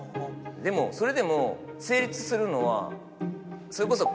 でもそれでも成立するのはそれこそ。